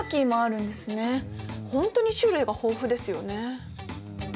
本当に種類が豊富ですよね。